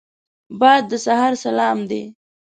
باد د سحر سلام دی